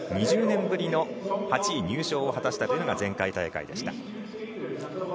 ２０年ぶりの８位入賞を果たした前回大会でした。